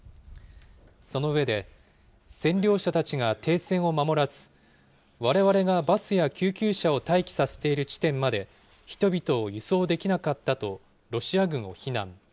その上で、占領者たちが停戦を守らず、われわれがバスや救急車を待機させている地点まで、人々を輸送できなかったと、ロシア軍を非難。